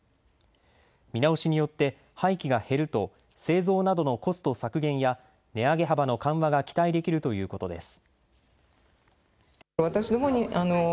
見直しによって廃棄が減ると製造などのコスト削減や値上げ幅の緩和が期待できるということです。